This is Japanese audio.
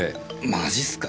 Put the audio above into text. マジすか？